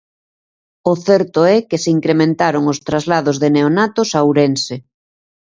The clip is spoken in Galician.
O certo é que se incrementaron os traslados de neonatos a Ourense.